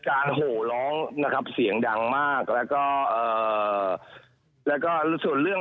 โหร้องนะครับเสียงดังมากแล้วก็เอ่อแล้วก็ส่วนเรื่อง